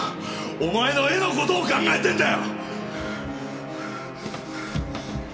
お前の絵の事を考えてんだよ！